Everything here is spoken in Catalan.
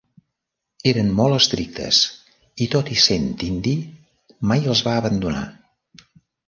Eren molt estrictes i, tot i sent indi, mai els va abandonar.